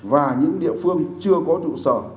và những địa phương chưa có trụ sở